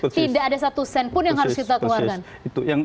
tidak ada satu sen pun yang harus kita keluarkan